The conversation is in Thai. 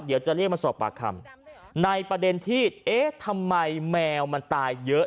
เดี๋ยวจะเรียกมาสอบปากคำในประเด็นที่เอ๊ะทำไมแมวมันตายเยอะ